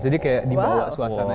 jadi kayak di bawah suasana